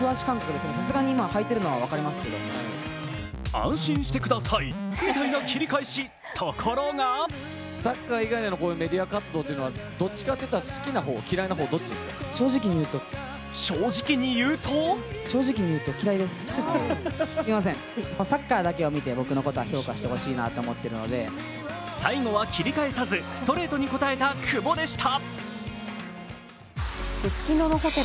安心してください！みたいな切り返しところが最後は切り返さずストレートに答えた久保でした。